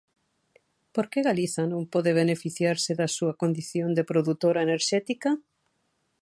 ¿Por que Galiza non pode beneficiarse da súa condición de produtora enerxética?